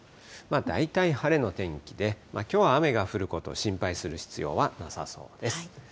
大体晴れの天気で、きょうは雨が降ること、心配する必要はなさそうです。